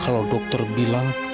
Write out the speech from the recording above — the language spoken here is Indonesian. kalau dokter bilang